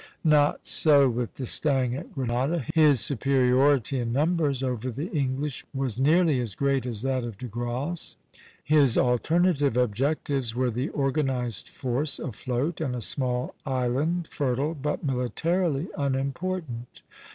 Not so with D'Estaing at Grenada. His superiority in numbers over the English was nearly as great as that of De Grasse; his alternative objectives were the organized force afloat and a small island, fertile, but militarily unimportant.